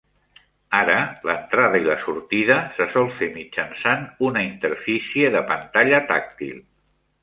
Ara l'entrada i la sortida se sol fer mitjançant una interfície de pantalla tàctil.